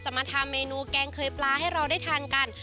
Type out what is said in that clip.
มาทำเมนูแกงเคยปลาให้เราได้ทานกัน